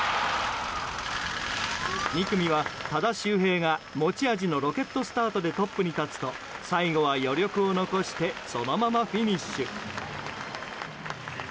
２組は多田修平が持ち味のロケットスタートでトップに立つと最後は余力を残してそのままフィニッシュ。